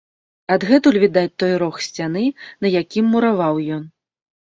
Адгэтуль відаць той рог сцяны, на якім мураваў ён.